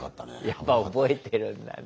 やっぱ覚えてるんだね。